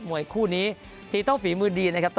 วยคู่นี้ทีโต้ฝีมือดีนะครับ